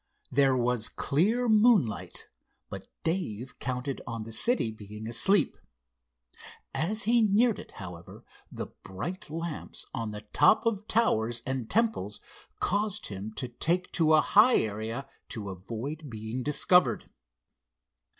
There was clear moonlight, but Dave counted on the city being asleep. As he neared it, however, the bright lamps on the top of towers and temples caused him to take to a high area to avoid being discovered.